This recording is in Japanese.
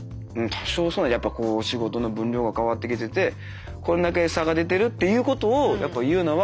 多少そうやっぱこう仕事の分量が変わってきててこんだけ差が出てるっていうことをやっぱ言うのは。